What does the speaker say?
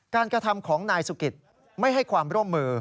กระทำของนายสุกิตไม่ให้ความร่วมมือ